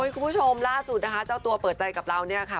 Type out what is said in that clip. คุณผู้ชมล่าสุดนะคะเจ้าตัวเปิดใจกับเราเนี่ยค่ะ